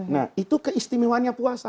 nah itu keistimewaannya puasa